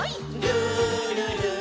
「るるる」